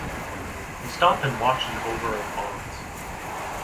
He stopped and watched an over of Bond's.